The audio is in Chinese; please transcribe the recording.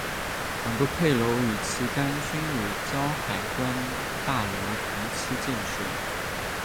两座配楼与旗杆均与胶海关大楼同期建设。